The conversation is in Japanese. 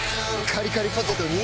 カリカリポテトに。